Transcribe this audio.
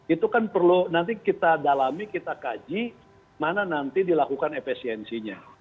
itu kan perlu nanti kita dalami kita kaji mana nanti dilakukan efisiensinya